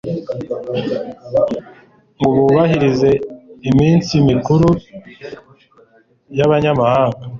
ngo bubahirize iminsi mikuru y'abanyamahanga.